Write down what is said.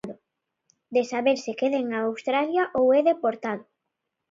De saber se queda en Australia ou é deportado.